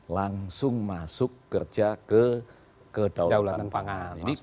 langsung masuk kerja ke kedaulatan pangan